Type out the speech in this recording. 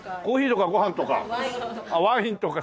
あとワインとか。